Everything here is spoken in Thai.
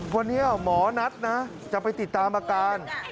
วันนี้หมอนัดนะจะไปติดตามอาการ